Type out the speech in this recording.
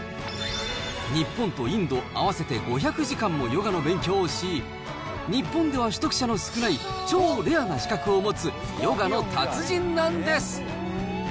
日本とインド、合わせて５００時間もヨガの勉強をし、日本では取得者の少ない超レアな資格を持つ、ヨガの達人なんです。